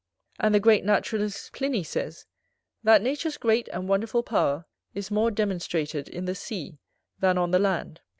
And the great naturalist Pliny says, "That nature's great and wonderful power is more demonstrated in the sea than on the land